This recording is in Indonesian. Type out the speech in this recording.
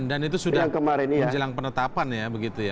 dan itu sudah menjelang penetapan ya